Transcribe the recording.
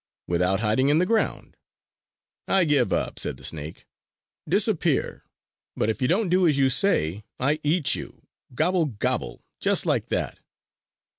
"Without hiding in the ground!" "I give up!" said the snake. "Disappear! But if you don't do as you say, I eat you, gobble, gobble, just like that!"